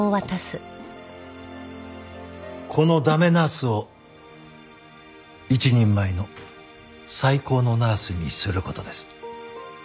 この駄目ナースを一人前の最高のナースにする事です。